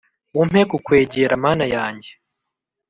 Umpe kukwegera mana yanjye